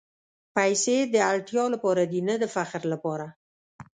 پېسې د اړتیا لپاره دي، نه د فخر لپاره.